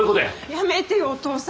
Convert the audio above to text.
やめてよお父さん！